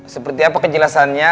seperti apa kejelasannya